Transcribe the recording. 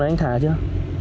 lâu rồi anh thả chưa